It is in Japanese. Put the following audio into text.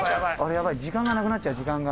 やばい時間がなくなっちゃう時間が。